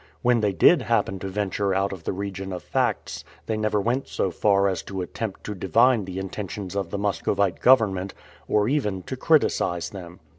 When they did happen to venture out of the region of facts, they never went so far as to attempt to divine the intentions of the Muscovite government, or even to criticize them.